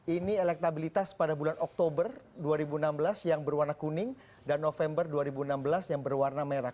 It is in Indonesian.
ini elektabilitas pada bulan oktober dua ribu enam belas yang berwarna kuning dan november dua ribu enam belas yang berwarna merah